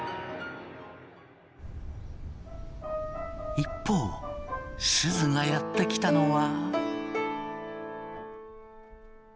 一方すずがやって来たのは。